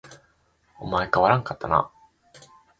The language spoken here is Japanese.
お前変わらんかったな